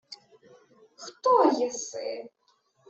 — Хто єси?